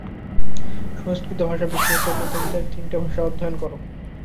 সংস্কৃত ভাষা বিশেষত বেদান্তের তিনটে ভাষ্য অধ্যয়ন কর।